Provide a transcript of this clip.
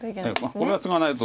これはツガないと。